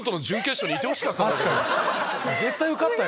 絶対受かったよ。